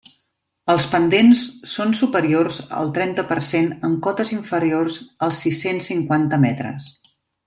Els pendents són superiors al trenta per cent en cotes inferiors als sis-cents cinquanta metres.